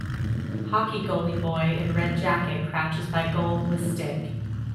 Hockey goalie boy in red jacket crouches by goal, with stick.